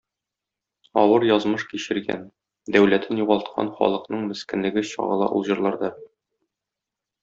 Авыр язмыш кичергән, дәүләтен югалткан халыкның мескенлеге чагыла ул җырларда.